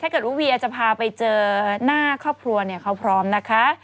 ถ้าเกิดว่าเวียจะพาไปเจอหน้าครอบครัวเขาพร้อมนะคะ